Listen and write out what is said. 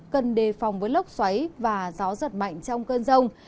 cần đề phòng với lốc xoáy và gió giật mạnh trong cơn rông